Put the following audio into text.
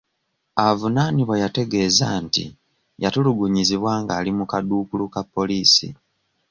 Avunaanibwa yategeeza nti yatulugunyizibwa nga ali mu kaduukulu ka poliisi.